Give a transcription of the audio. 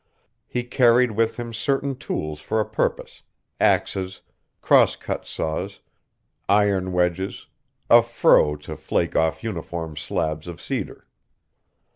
He carried with him certain tools for a purpose, axes, cross cut saws, iron wedges, a froe to flake off uniform slabs of cedar.